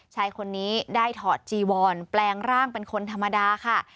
ชายคนนี้ได้ถอดจีวอนแปลงร่างเป็นคนธรรมดาค่ะ